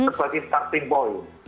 sebagai starting point